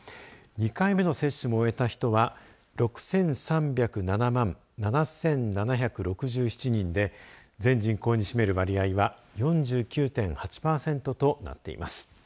２回目の接種も終えた人は６３０７万７７６７人で全人口に占める割合は４９．８パーセントとなっています。